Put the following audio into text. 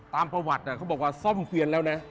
ตามประวัติเขาบอกว่าซ่อมเกวียนแล้วนะ